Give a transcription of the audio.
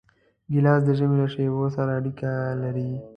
ګیلاس د ژمي له شېبو سره اړیکه لري.